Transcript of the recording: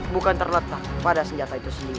bukan terletak pada senjata itu sendiri